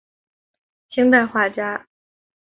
清代画家。